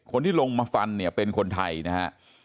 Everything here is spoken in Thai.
คนที่ลงมาฟันเนี่ยเป็นคนไทยนะฮะ